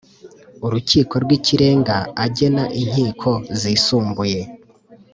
Urukiko rw ikirenga agena inkiko zisumbuye